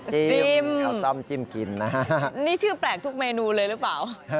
จิ้มเอาซ่อมจิ้มกินนะฮะนี่ชื่อแปลกทุกเมนูเลยหรือเปล่า